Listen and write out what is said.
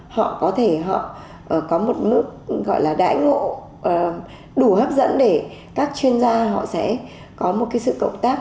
họ có thể họ có một mức gọi là đãi ngộ đủ hấp dẫn để các chuyên gia họ sẽ có một cái sự cộng tác